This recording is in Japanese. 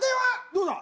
どうだ？